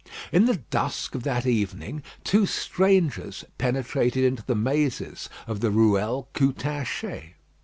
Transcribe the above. In the dusk of that evening, two strangers penetrated into the mazes of the Ruelle Coutanchez.